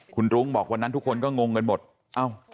คุณรุ้งบอกวันนั้นทุกคนก็งงกันหมดเอ้า